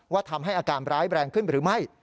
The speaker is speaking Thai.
ทำให้อาการร้ายแรงขึ้นหรือไม่